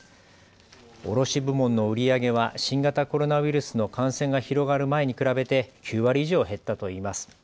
卸部門の売り上げは新型コロナウイルスの感染が広がる前に比べて９割以上減ったといいます。